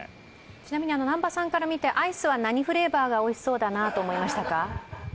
ちなみに南波さんから見てアイスは何フレーバーがおいしそうかなと思いましたか？